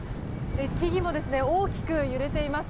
木々も大きく揺れています。